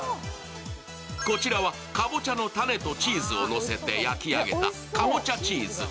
こちらはかぼちゃの種とチーズをのせて焼き上げたかぼちゃチーズ。